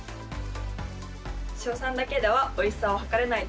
硝酸だけではおいしさを測れないと思いました。